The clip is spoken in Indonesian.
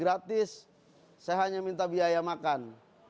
gratis saya hanya minta biaya makan